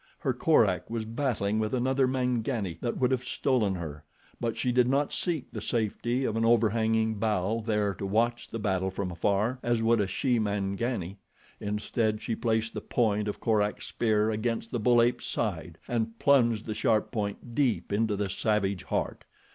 Her Korak was battling with another Mangani that would have stolen her; but she did not seek the safety of an overhanging bough there to watch the battle from afar, as would a she Mangani. Instead she placed the point of Korak's spear against the bull ape's side and plunged the sharp point deep into the savage heart.